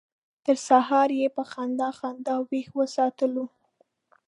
تر سهاره یې په خندا خندا ویښ وساتلو.